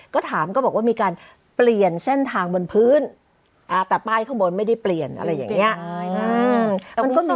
ก็ถามก็บอกว่ามีการเปลี่ยนเส้นทางบนพื้นแต่ป้ายข้างบนไม่ได้เปลี่ยนอะไรอย่างนี้